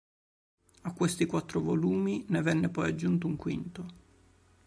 A questi quattro volumi ne venne poi aggiunto un quinto.